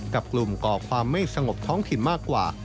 กับกลุ่มก่อความไม่สงบท้องถิ่นมากกว่า